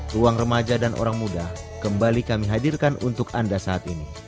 ruang remaja dan orang muda kembali kami hadirkan untuk anda saat ini